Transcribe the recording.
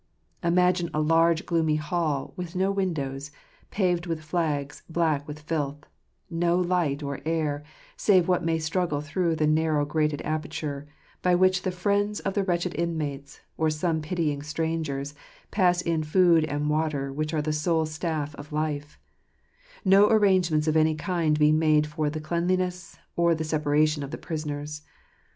Imagine a large gloomy hall, with no windows, paved with flags black with filth, no light or air, save what may struggle through the narrow grated aperture, by which the friends of the wretched inmates, or some pitying strangers, pass in the food and water which are the sole staff of life : no arrangements of any kind being made for cleanliness, or for the separation of the prisoners.